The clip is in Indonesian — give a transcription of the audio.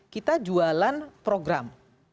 kita jualan program